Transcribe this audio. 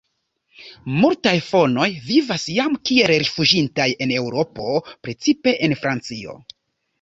Multaj fonoj vivas jam kiel rifuĝintaj en Eŭropo, precipe en Francio.